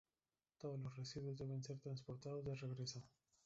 Todos los residuos deben ser transportados de regreso.